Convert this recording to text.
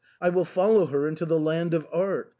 I will follow her into the land of art.